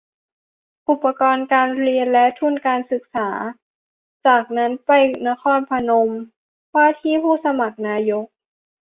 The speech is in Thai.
อุปกรณ์การเรียน และ ทุนการศึกษา จากนั้นไปนครพนม ว่าที่ผู้สมัครนายก